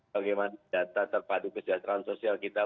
bagaimana data terpadu kesejahteraan sosial kita